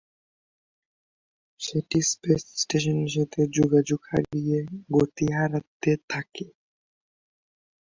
সেটি স্পেস স্টেশনের সাথে যোগাযোগ হারিয়ে গতি হারাতে থাকে।